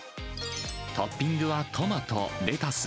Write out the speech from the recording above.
トッピングはトマト、レタス、